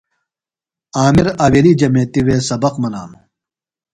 عامر آویلی جمیتِوے سبق منانوۡ۔